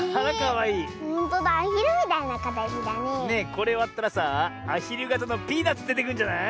これわったらさあアヒルがたのピーナツでてくるんじゃない？